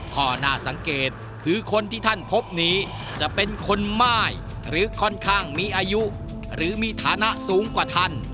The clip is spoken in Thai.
ข้อน่าสังเกตคือคนที่ท่านพบนี้จะเป็นคนม่ายหรือค่อนข้างมีอายุหรือมีฐานะสูงกว่าท่าน